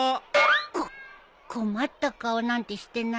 こっ困った顔なんてしてないよ。